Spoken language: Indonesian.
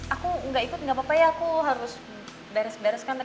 aku nggak ikut nggak papa ya aku harus beres bereskan